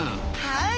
はい！